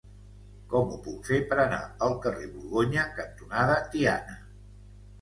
Com ho puc fer per anar al carrer Borgonya cantonada Tiana?